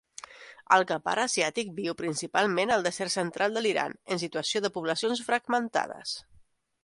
El guepard asiàtic viu principalment al desert central de l'Iran en situació de poblacions fragmentades.